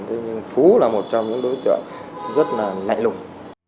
thế nhưng phú là một trong những đối tượng rất là lạy lùng